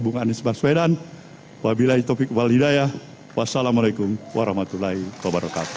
bung anies baswedan wabillahi topik walidayah wassalamu'alaikum warahmatullahi wabarakatuh